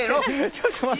ちょっと待って。